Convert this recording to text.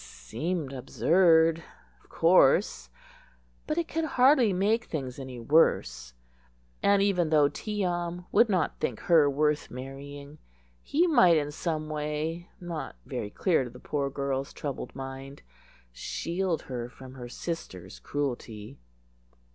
It seemed absurd, of course, but it could hardly make things any worse; and even though Tee am would not think her worth marrying, he might in some way not very clear to the poor girl's troubled mind shield her from her sister's cruelty.